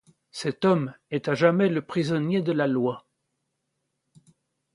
Cet homme est à jamais le prisonnier de la loi.